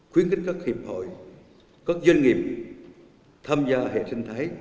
khuyến khích các hiệp hội các doanh nghiệp tham gia hệ sinh thái